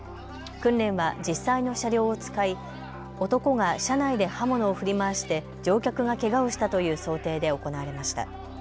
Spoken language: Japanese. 訓練は実際の車両を使い男が車内で刃物を振り回して乗客がけがをしたという想定で行われました。